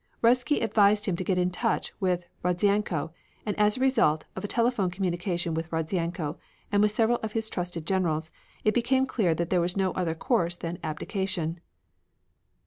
Ruzsky advised him to get in touch with Rodzianko, and as a result of a telephone communication with Rodzianko and with several of his trusted generals, it became clear that there was no other course than abdication.